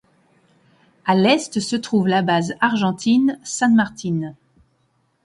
À l’est se trouve la base argentine San Martin.